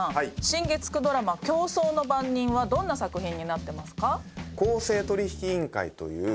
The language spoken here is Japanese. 新月９ドラマ『競争の番人』はどんな作品になってますか？という